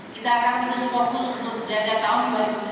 kita akan terus fokus untuk menjaga tahun dua ribu dua puluh